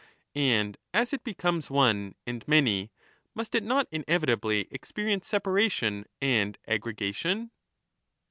And as it becomes one and many, must it not inevitably experience separation and aggregation